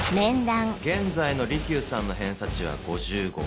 現在の利休さんの偏差値は５５。